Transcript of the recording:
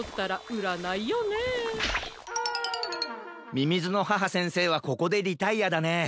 みみずのはは先生はここでリタイアだね。